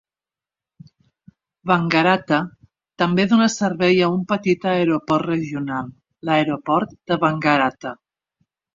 Wangaratta també dona servei a un petit aeroport regional, l'aeroport de Wangaratta.